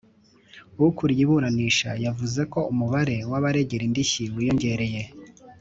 Ukuriye iburanisha yavuze ko umubare w’abaregera indishyi wiyongereye